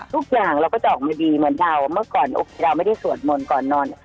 ทุกอย่างเราก็จะออกมาดีเหมือนดาวเมื่อก่อนดาวไม่ได้สวดมนตร์ก่อนนอน